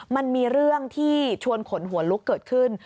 มันมีเรื่องที่ชวนขนหัวลุกเกิดขึ้น